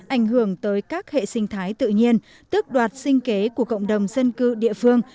ảnh hưởng tới các hệ sinh thái tự nhiên tức đoạt sinh kế của cộng đồng dân cư địa phương